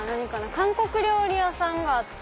韓国料理屋さんがあって。